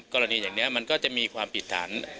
กรณีอย่างนี้มันก็จะมีความผิดฐาน